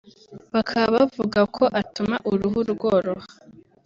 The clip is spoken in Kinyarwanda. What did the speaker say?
bakaba bavuga ko atuma uruhu rworoha